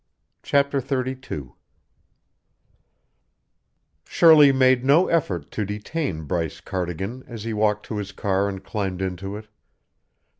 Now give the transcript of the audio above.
CHAPTER XXXII Shirley made no effort to detain Bryce Cardigan as he walked to his car and climbed into it.